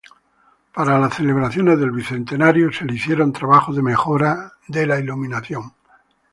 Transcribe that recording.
Para las celebraciones del Bicentenario se le hicieron trabajos de mejora de la iluminación.